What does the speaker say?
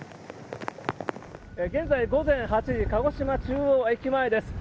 現在、午前８時、鹿児島中央駅前です。